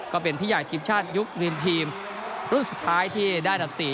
ก็เป็นพี่ใหญ่ทีมชาติยุครินทีมรุ่นสุดท้ายที่ได้อันดับ๔